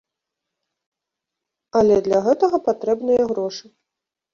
Але для гэтага патрэбныя грошы.